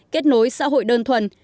kết nối xã hội đơn thuần